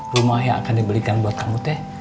rumah yang akan di belikan buat kamu teh